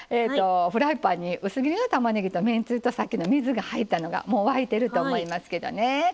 フライパンに薄切りのたまねぎとめんつゆとさっきの水が入ったのがもう沸いてると思いますけどね。